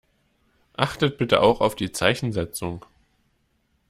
Achtet bitte auch auf die Zeichensetzung.